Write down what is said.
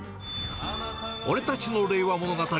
俺たちの令和物語。